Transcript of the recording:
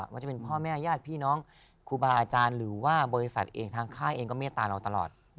ว่าจะเป็นพ่อแม่ญาติพี่น้องครูบาอาจารย์หรือว่าบริษัทเองทางค่ายเองก็เมตตาเราตลอด